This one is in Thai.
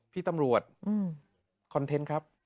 พี่ตำรวจคอนเทนต์ครับ